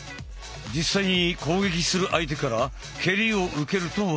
実際に攻撃する相手から蹴りを受けると分かりやすい！